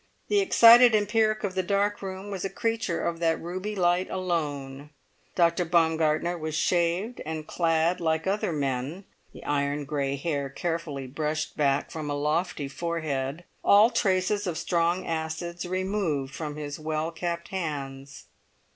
The excited empiric of the dark room was a creature of that ruby light alone. Dr. Baumgartner was shaved and clad like other men, the iron grey hair carefully brushed back from a lofty forehead, all traces of strong acids removed from his well kept hands.